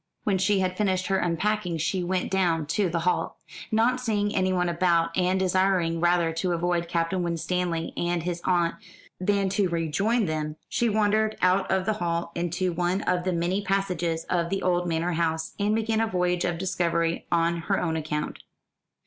When she had finished her unpacking she went down to the hall. Not seeing anyone about, and desiring rather to avoid Captain Winstanley and his aunt than to rejoin them, she wandered out of the hall into one of the many passages of the old manor house, and began a voyage of discovery on her own account.